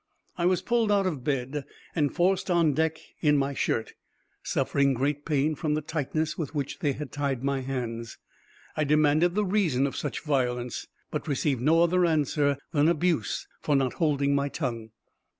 I was pulled out of bed, and forced on deck in my shirt, suffering great pain from the tightness with which they had tied my hands. I demanded the reason of such violence, but received no other answer than abuse for not holding my tongue.